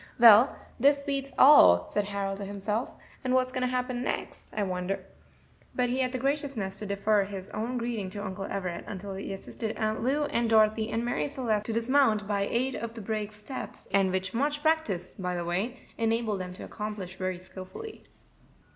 "Well, this beats all," said Harold to himself; "what is going to happen next, I wonder?" But he had the graciousness to defer his own greeting to Uncle Everett until he assisted Aunt Lou and Dorothy and Marie Celeste to dismount, by aid of the brake's steps, and which much practice, by the way, enabled them to accomplish very skilfully.